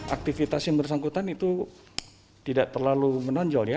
aktivitas yang bersangkutan itu tidak terlalu menonjol ya